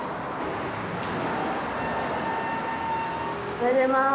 おはようございます。